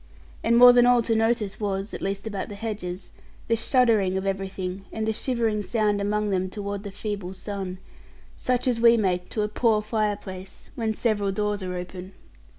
And more than all to notice was (at least about the hedges) the shuddering of everything and the shivering sound among them toward the feeble sun; such as we make to a poor fireplace when several doors are open.